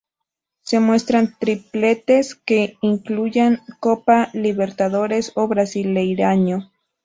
Se muestran tripletes que incluyan Copa Libertadores o Brasileirão.